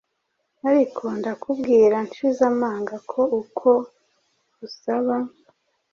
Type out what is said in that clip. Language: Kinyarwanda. Ariko ndakubwira nshize amanga ko uko uzaba